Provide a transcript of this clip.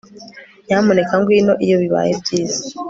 Nyamuneka ngwino iyo bibaye byiza